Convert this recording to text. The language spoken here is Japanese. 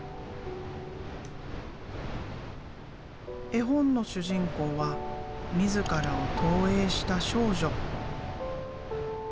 絵本の主人公は自らを投影した少女。